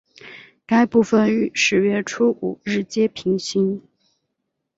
该部份与十月初五日街平行。